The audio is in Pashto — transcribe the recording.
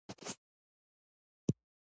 د کلکان ولسوالۍ کوچنۍ ده